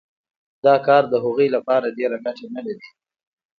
دا کار د هغوی لپاره ډېره ګټه نلري